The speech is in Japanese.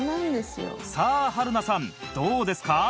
さあ春菜さんどうですか？